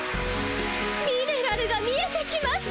ミネラルが見えてきました。